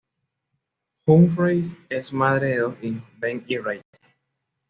Humphreys es madre de dos hijos, Ben y Rachel.